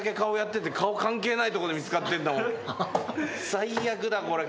最悪だこれ。